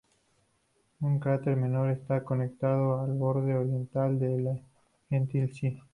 Un cráter menor está conectado al borde oriental de "Le Gentil C".